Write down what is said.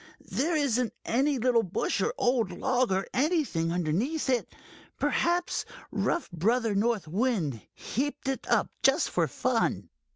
There isn't any little bush or old log or anything underneath it. Perhaps rough Brother North Wind heaped it up, just for fun."